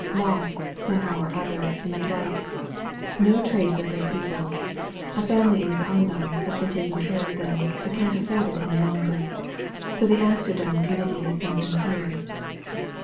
Lost, somehow or other, in the flight No trace of their people. A family in Zaandam has been taking care of them, but can't afford it any longer. So the Amsterdam committee has sent them here."